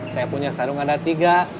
saya punya sarung ada tiga